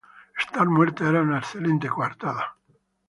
estar muerta era una excelente coartada